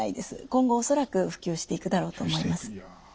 今後恐らく普及していくだろうと思います。